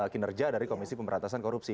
kinerja dari komisi pemberantasan korupsi